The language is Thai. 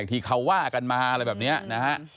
ที่เขาว่ากันมาอะไรแบบนี้นะฮะ